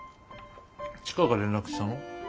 千佳が連絡したの？